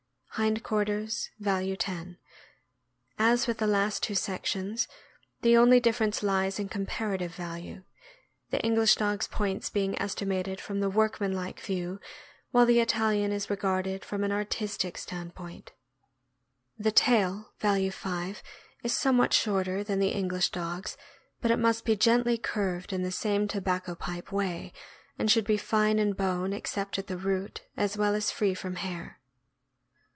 Hind quarters (value 10). — As with the last two sections, the only difference lies in comparative value, the English dog' s points being estimated from the workman like view, while the Italian is regarded from an artistic stand point. The tail (value 5) is somewhat shorter than the English dog's; but it must be gently curved in the same tobacco pipe way, and should be fine in bone except at the root, as well as free from hair.